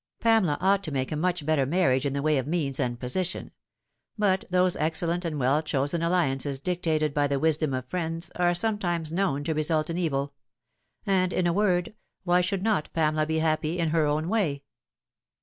Pamela ought to make a much better marriage in the way of means and position ; but those excellent and well chosen alliances dictated by the wisdom of friends are sometimes known to result in evil ; and, in a word, why should not Pamela be happy in her own way